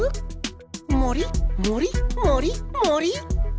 もりもりもりもり！